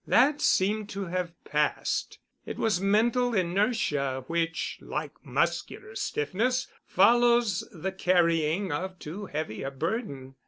That seemed to have passed. It was mental inertia, which, like muscular stiffness, follows the carrying of too heavy a burden.